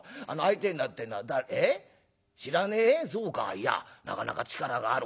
いやなかなか力がある。